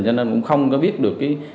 cho nên cũng không biết được